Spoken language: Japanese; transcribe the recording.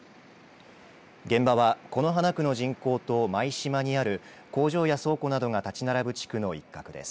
現場は、此花区の人工島舞洲にある工場や倉庫などが建ち並ぶ地区の一角です。